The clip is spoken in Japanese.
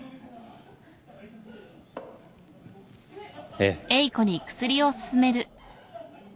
ええ。